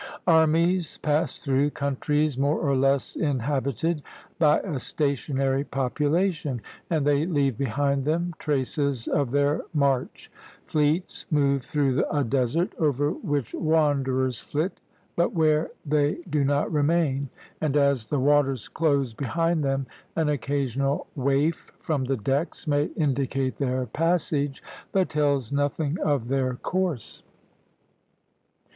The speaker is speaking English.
Armies pass through countries more or less inhabited by a stationary population, and they leave behind them traces of their march. Fleets move through a desert over which wanderers flit, but where they do not remain; and as the waters close behind them, an occasional waif from the decks may indicate their passage, but tells nothing of their course.